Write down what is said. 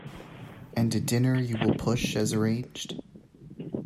And at dinner you will push, as arranged?